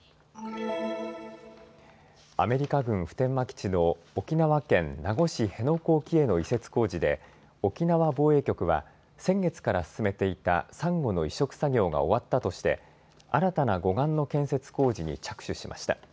アメリカ軍普天間基地の沖縄県名護市辺野古沖への移設工事で沖縄防衛局は先月から進めていたサンゴの移植作業が終わったとして新たな護岸の建設工事に着手しました。